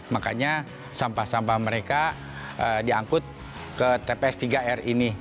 makanya sampah sampah mereka diangkut ke tps tiga r ini